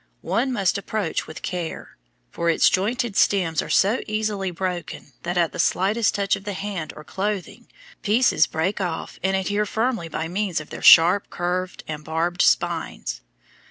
One must approach with care, for its jointed stems are so easily broken that at the slightest touch of the hand or clothing, pieces break off and adhere firmly by means of their sharp curved and barbed spines.